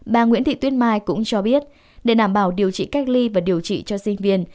bà nguyễn thị tuyết mai cũng cho biết để đảm bảo điều trị cách ly và điều trị cho sinh viên